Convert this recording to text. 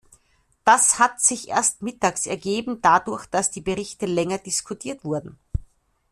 Das hat sich erst mittags ergeben dadurch, dass die Berichte länger diskutiert wurden.